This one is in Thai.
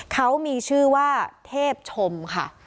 เขามีชื่อว่าเทพชมค่ะ